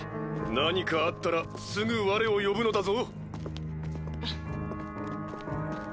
何かあったらすぐわれを呼ぶのだぞ！